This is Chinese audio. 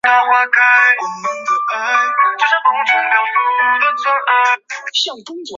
大崎站的铁路车站。